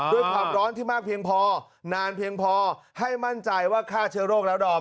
ด้วยความร้อนที่มากเพียงพอนานเพียงพอให้มั่นใจว่าฆ่าเชื้อโรคแล้วดอม